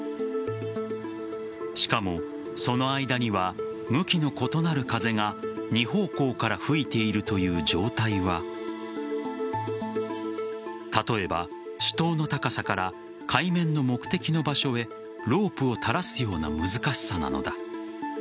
しかも、その間には向きの異なる風が２方向から吹いているという状態は例えば、主塔の高さから海面の目的の場所へロープを垂らすような難しさなのだ。